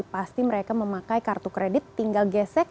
pasti mereka memakai kartu kredit tinggal gesek